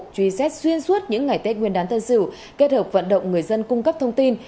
truy xét xuyên suốt những ngày tết nguyên đán tân sử kết hợp vận động người dân cung cấp thông tin